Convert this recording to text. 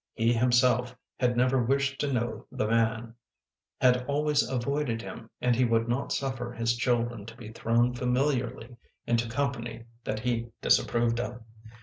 He himself had never wished to know the man; had always avoided him and he would not suffer his children to be thrown familiarly into company that he disapproved of.